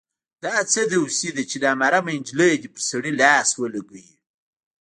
دا څه دوسي ده چې نامحرمه نجلۍ دې پر سړي لاس ولګوي.